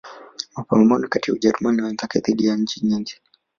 Mapambano kati ya Ujerumani na wenzake dhidi ya nchi nyingi